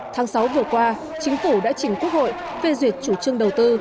tháng sáu vừa qua chính phủ đã chỉnh quốc hội phê duyệt chủ trương đầu tư